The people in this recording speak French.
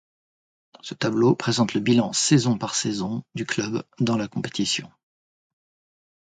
Ce tableau présente le bilan saison par saison du club dans la compétition.